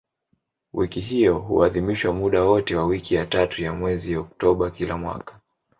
Wiki hiyo huadhimishwa muda wote wa wiki ya tatu ya mwezi Oktoba kila mwaka.